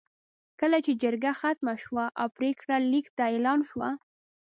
کله چې جرګه ختمه شوه او پرېکړه لیک یې اعلان شو.